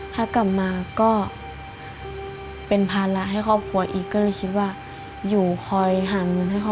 ถ้ากลับมาก็